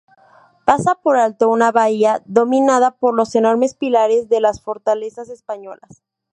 Pasa por alto una bahía dominada por los enormes pilares de las fortalezas españolas.